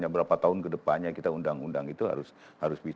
berapa tahun ke depannya kita undang undang itu harus bisa